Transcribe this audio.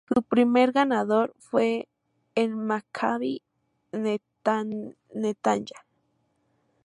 Su primer ganador fue el Maccabi Netanya.